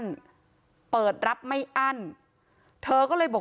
ความปลอดภัยของนายอภิรักษ์และครอบครัวด้วยซ้ำ